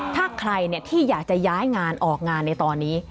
ถ้าใครที่อยากจะย้ายงานออกงานในตอนนี้